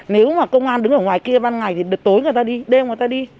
nếu mà công an đứng ở ngoài kia ban ngày thì đợt tối người ta đi đêm người ta đi